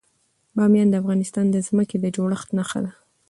بامیان د افغانستان د ځمکې د جوړښت نښه ده.